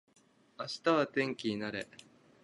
明日天気になれ